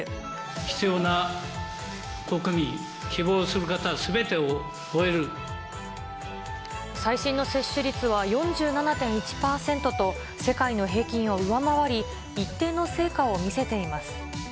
必要な国民、最新の接種率は４７．１％と、世界の平均を上回り、一定の成果を見せています。